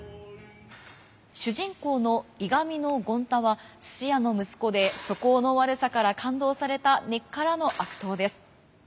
主人公のいがみの権太は鮓屋の息子で素行の悪さから勘当された根っからの悪党です。